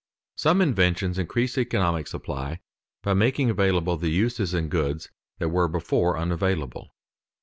_ Some inventions increase economic supply by making available the uses in goods that were before unavailable.